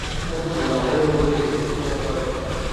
د ناریل غوړي د ویښتو لپاره وکاروئ